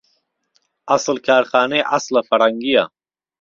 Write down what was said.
عەسڵ کارخانهی عهسڵه فهڕهنگییه